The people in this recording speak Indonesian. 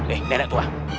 eh nenek tua